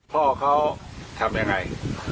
พ่อเขาทำยังไง